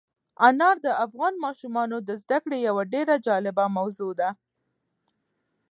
انار د افغان ماشومانو د زده کړې یوه ډېره جالبه موضوع ده.